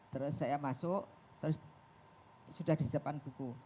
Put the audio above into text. terus saya masuk terus sudah disiapkan buku